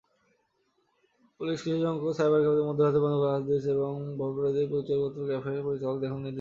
Police কিছুসংখ্যক cyber cafe মধ্যরাতে বন্ধ করার আদেশ দিয়েছে এবং ব্যবহারকারীদের পরিচয়পত্র ক্যাফে পরিচালককে দেখানোর নির্দেশ দিয়েছে।